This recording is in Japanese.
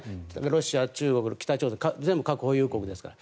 ロシア、中国、北朝鮮全部核保有国ですから。